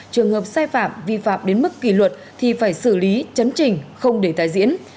trường hợp sai phạm vi phạm đến mức kỳ luật thì phải xử lý chấn trình không để tái diễn